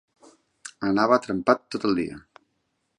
Anava trempat tot el dia.